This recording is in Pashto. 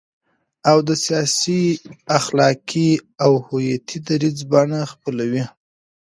او د سیاسي، اخلاقي او هویتي دریځ بڼه خپلوي،